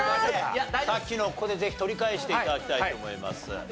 さっきのをここでぜひ取り返して頂きたいと思います。